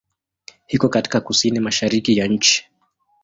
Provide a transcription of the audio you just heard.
Iko katika kusini-mashariki ya nchi.